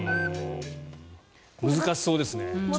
難しそうですね。